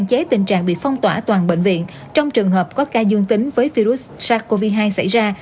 chế tình trạng bị phong tỏa toàn bệnh viện trong trường hợp có ca dương tính với virus sars cov hai xảy ra